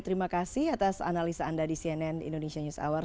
terima kasih atas analisa anda di cnn indonesia news hour